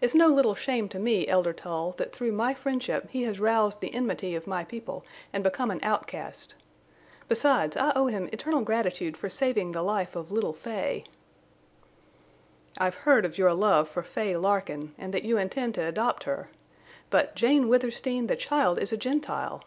It's no little shame to me, Elder Tull, that through my friendship he has roused the enmity of my people and become an outcast. Besides I owe him eternal gratitude for saving the life of little Fay." "I've heard of your love for Fay Larkin and that you intend to adopt her. But—Jane Withersteen, the child is a Gentile!"